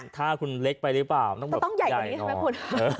ถ้าคุณเล็กไปหรือเปล่ามันต้องใหญ่กว่านี้ใช่ไหมคุณ